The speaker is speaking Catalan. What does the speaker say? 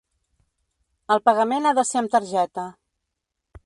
El pagament ha de ser amb tarjeta.